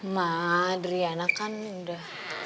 ma adriana kan udah